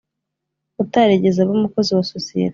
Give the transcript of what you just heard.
utarigeze aba umukozi wa sosiyete